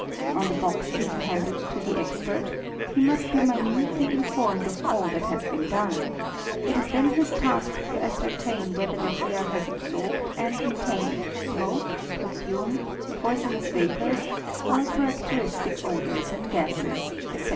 On the box being handed to the expert, he must be minutely informed of all that has been done; it is then his task to ascertain whether the hair has absorbed and retained smoke, perfumes, poisonous vapours, or characteristic odours and gases, etc.